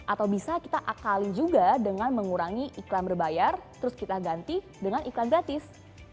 atau bisa kita akali juga dengan mengurangi iklan berbayar terus kita ganti dengan iklan gratis